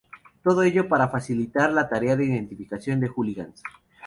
Todo ello para facilitar la tarea de identificación de "hooligans".